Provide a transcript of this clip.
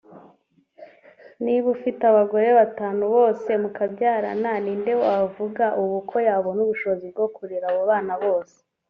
niba ufite abagore batanu bose mukabyarana ni nde wavuga ubu ko yabona ubushobozi bwo kurera abo bana bose